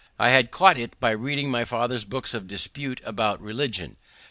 I had caught it by reading my father's books of dispute about religion.